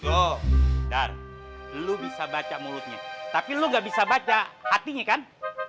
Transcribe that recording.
oh dar lu bisa baca mulutnya tapi lu gak bisa baca hatinya kan